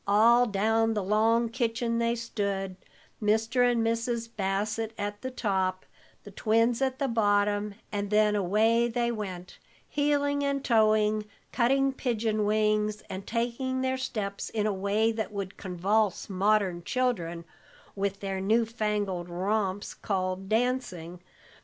All down the long kitchen they stood, Mr. and Mrs. Bassett at the top, the twins at the bottom, and then away they went, heeling and toeing, cutting pigeon wings, and taking their steps in a way that would convulse modern children with their new fangled romps called dancing.